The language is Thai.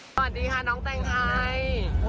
สวัสดีค่ะน้องแต่งไทย